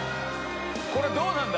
これどうなんだ？